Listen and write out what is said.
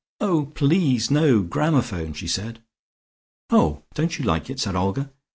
"Oh please, no gramophone!" she said. "Oh, don't you like it?" said Olga.